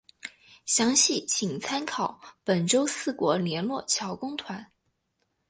详细请参考本州四国联络桥公团。